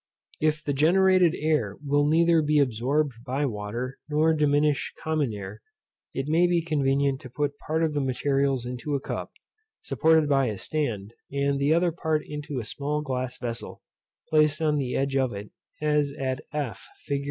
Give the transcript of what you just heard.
If the generated air will neither be absorbed by water, nor diminish common air, it may be convenient to put part of the materials into a cup, supported by a stand, and the other part into a small glass vessel, placed on the edge of it, as at f, fig.